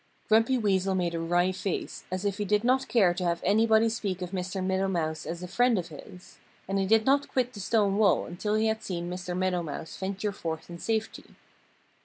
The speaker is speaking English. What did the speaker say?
Grumpy Weasel made a wry face, as if he did not care to have anybody speak of Mr. Meadow Mouse as a friend of his. And he did not quit the stone wall until he had seen Mr. Meadow Mouse venture forth in safety.